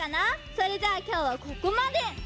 それじゃあきょうはここまで！